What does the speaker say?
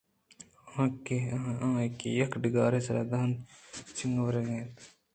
کہ آیک ڈگارے ءِ سرا دان چنگ ءُ وَرَگ ءَ اَتنت